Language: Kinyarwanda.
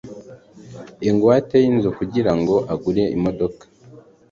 ingwate y’inzu kugirango agure imodoka